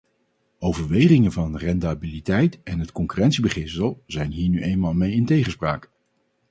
Overwegingen van rendabiliteit en het concurrentiebeginsel zijn hier nu eenmaal mee in tegenspraak.